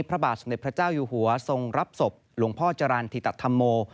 พระบาทสมเด็จพระเจ้าอยู่หัวทรงรับศพหลวงพ่อจรรย์ธิตธรรมโม